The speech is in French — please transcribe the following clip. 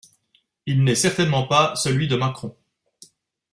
Il n'est certainement pas celui de Macron.